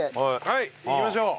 はいいきましょう。